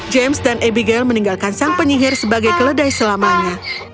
james dan abigail meninggalkan sang penyihir sebagai keledai selamanya